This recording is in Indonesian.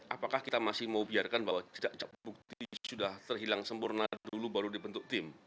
apakah kita masih mau biarkan bahwa bukti sudah terhilang sempurna dulu baru dibentuk tim